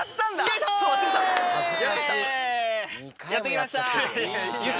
やって来ました！